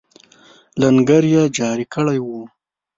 لنګر یې جاري کړی وو.